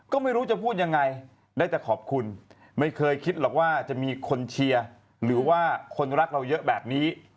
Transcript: ก็ไม่รู้จะพูดยังไงได้แต่ขอบคุณไม่เคยคิดหรอกว่าจะมีคนเชียร์หรือว่าคนรักเราเยอะแบบนี้